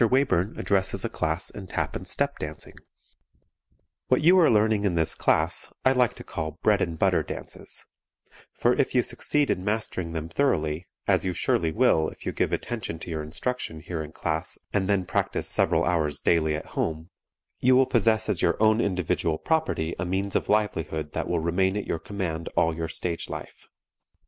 WAYBURN ADDRESSES A CLASS IN TAP AND STEP DANCING What you are learning in this class I like to call "bread and butter" dances, for if you succeed in mastering them thoroughly, as you surely will if you give attention to your instruction here in class and then practice several hours daily at home, you will possess as your own individual property a means of livelihood that will remain at your command all your stage life.